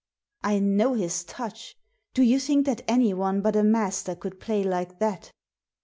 "I know his touch. Do you think that anyone but a master could play like that?"